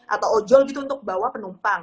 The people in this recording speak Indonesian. atau ojol gitu untuk bawa penumpang